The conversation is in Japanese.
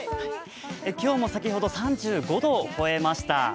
今日も先ほど３５度を超えました。